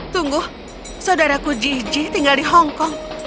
tunggu saudaraku jiji tinggal di hongkong